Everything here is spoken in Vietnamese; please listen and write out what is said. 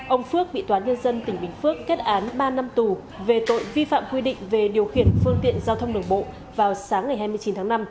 ông phước bị tòa án nhân dân tỉnh bình phước kết án ba năm tù về tội vi phạm quy định về điều khiển phương tiện giao thông đường bộ vào sáng ngày hai mươi chín tháng năm